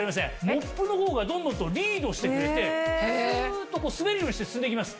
モップの方がドンドンとリードしてくれてスっと滑るようにして進んでいきます。